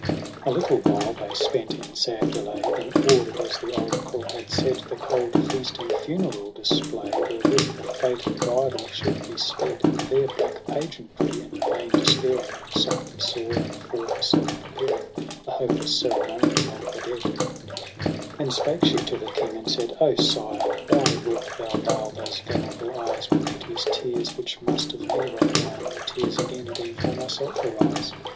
APRIL c,r A little while they spent in sad delay, Then order'd, as the oracle had said, The cold feast and funereal display Wherewith the fated bridal should be sped : And their black pageantry and vain despairing When Psyche saw, and for herself preparing The hopeless ceremonial of the dead, 16 Then spake she to the King and said ' O Sire, Why wilt thou veil those venerable eyes With piteous tears, which must of me require More tears again than for myself arise